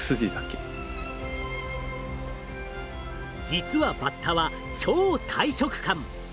実はバッタは超大食漢。